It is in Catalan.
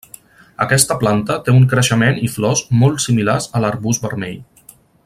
Aquesta planta té un creixement i flors molt similars a l'arbust vermell.